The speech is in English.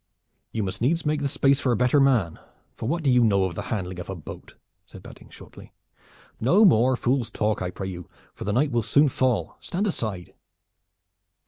"You must needs take the space of a better man; for what do you know of the handling of a boat?" said Badding shortly. "No more fool's talk, I pray you, for the night will soon fall. Stand aside!"